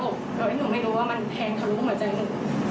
โดยที่หนูไม่รู้ว่ามันแทงทะลุหัวใจหนู